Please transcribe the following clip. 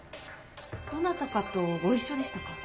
どなたかとご一緒でしたか？